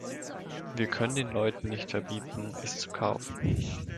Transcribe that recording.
Wir können den Leuten nicht verbieten, es zu kaufen.